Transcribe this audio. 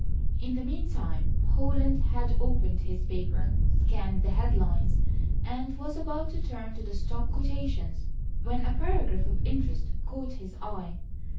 In the meantime Holland had opened his paper, scanned the head lines, and was about to turn to the stock quotations when a paragraph of interest caught his eye.